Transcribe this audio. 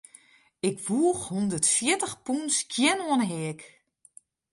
Ik woech hûndertfjirtich pûn skjin oan 'e heak.